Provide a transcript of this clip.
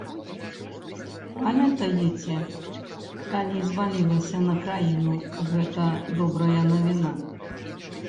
Памятаеце, калі звалілася на краіну гэта добрая навіна?